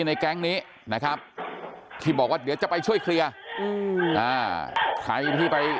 ในแก๊งนี้นะครับที่บอกว่าเดี๋ยวจะไปช่วยเคลียร์อืมอ่าใครที่ไป